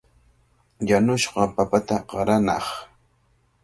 Yanushqa papata qaranaaq.